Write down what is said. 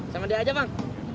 sama dia aja bang